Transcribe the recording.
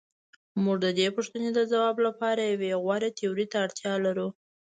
موږ د دې پوښتنې د ځواب لپاره یوې غوره تیورۍ ته اړتیا لرو.